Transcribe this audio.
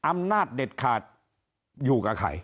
อำนาจเด็ดขาดอยู่กับใคร